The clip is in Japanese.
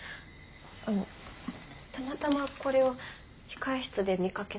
あのたまたまこれを控え室で見かけたもので。